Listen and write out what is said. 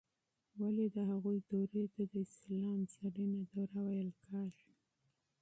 ولې د هغوی دورې ته د اسلام زرینه دوره ویل کیږي؟